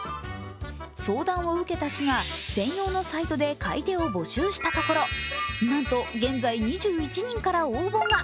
相談を受けた市が専用のサイトで買い手を募集したところなんと現在２１人から応募が。